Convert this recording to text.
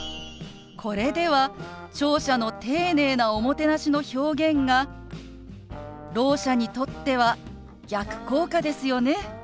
これでは聴者の丁寧なおもてなしの表現がろう者にとっては逆効果ですよね。